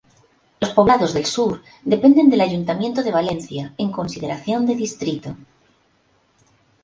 Los Poblados del Sur dependen del ayuntamiento de Valencia en consideración de distrito.